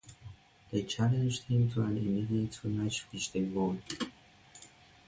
They challenged them to an immediate rematch which they won.